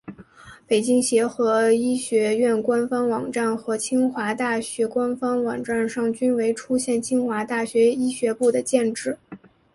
北京协和医学院官方网站和清华大学官方网站上均未出现清华大学医学部的建制。